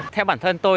theo bản thân tôi